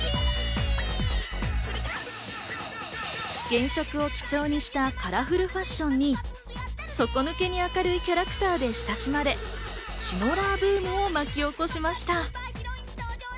原色を基調にしたカラフルファッションに底抜けに明るいキャラクターで親しまれ、シノラーブームを巻き起こしました。